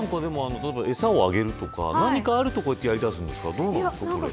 餌をあげるとか、何かあるとこうやってやり出すんですか。